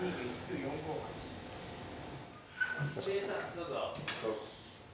どうぞ。